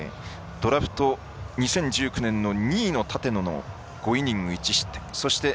ドラフト２０１９年２位の立野５イニング１失点